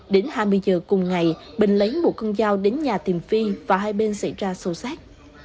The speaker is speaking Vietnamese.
đến hai mươi giờ cùng ngày bình lấy một con dao đến nhà tìm phi và hai bên xảy ra sâu sát